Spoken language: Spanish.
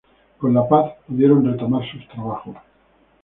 Con la paz, pudieron retomar sus trabajos.